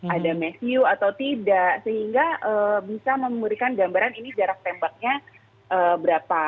ada messiu atau tidak sehingga bisa memberikan gambaran ini jarak tembaknya berapa